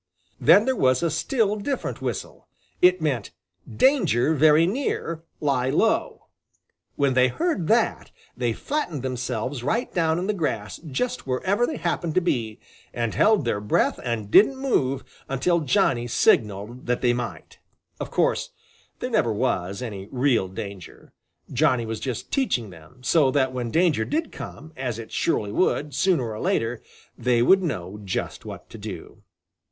Then there was a still different whistle. It meant "Danger very near; lie low!" When they heard that, they flattened themselves right down in the grass just wherever they happened to be, and held their breath and didn't move until Johnny signaled that they might. Of course, there never was any real danger. Johnny was just teaching them, so that when danger did come, as it surely would, sooner or later, they would know just what to do.